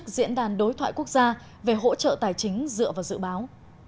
về hỗ trợ tài chính dựa vào dự báo